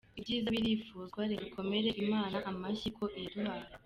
Ibyiza birifuzwa, reka dukomere Imana amashyi ko iyaduhaye.